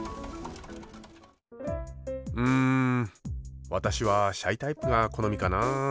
うん私はシャイタイプが好みかな。